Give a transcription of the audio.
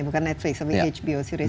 bukan netflix tapi hbo series